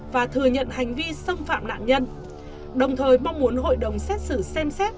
và thừa nhận hành vi xâm phạm nạn nhân đồng thời mong muốn hội đồng xét xử xem xét